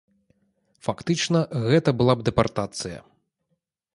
Фактычна, гэта была б дэпартацыя.